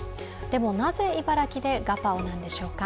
でも、なぜ茨城でガパオなんでしょうか？